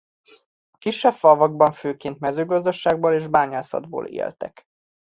A kisebb falvakban főként mezőgazdaságból és bányászatból éltek.